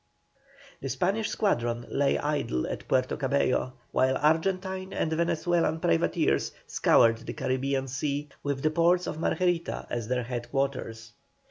The Spanish squadron lay idle at Puerto Cabello, while Argentine and Venezuelan privateers scoured the Carribean Sea with the ports of Margarita as their head quarters.